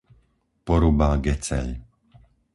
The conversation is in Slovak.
Poruba - Geceľ